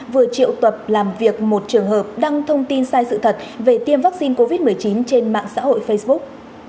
vừa triệu tập làm việc một trường hợp đăng thông tin sai sự thật về tiêm vaccine covid một mươi chín trên mạng xã hội facebook